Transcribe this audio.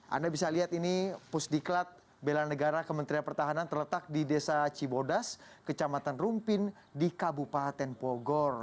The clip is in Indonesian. anda bisa lihat ini pusdiklat bela negara kementerian pertahanan terletak di desa cibodas kecamatan rumpin di kabupaten bogor